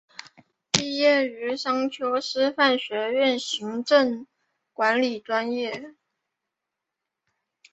毕业于商丘师范学院行政管理专业。